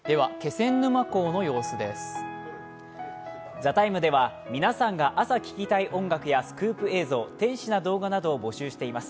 「ＴＨＥＴＩＭＥ，」では皆さんが朝聴きたい音楽やスクープ映像天使な動画などを募集しています。